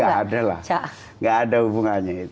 itu tidak ada lah tidak ada hubungannya itu